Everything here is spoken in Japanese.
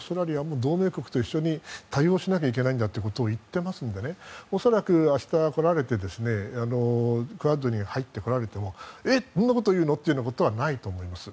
同盟国と一緒に対応しなきゃいけないんだと言ってますので恐らく明日、来られてクアッドに入ってこられてもそんなこと言うの？ってことはないと思います。